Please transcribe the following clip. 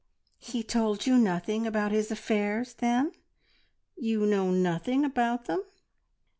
"He told you nothing about his affairs, then? You know nothing about them?"